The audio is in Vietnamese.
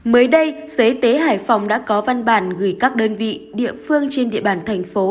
mới đây sở y tế hải phòng đã có văn bản gửi các đơn vị địa phương trên địa bàn thành phố